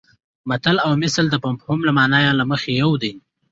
متل او مثل د مفهوم او مانا له مخې یو دي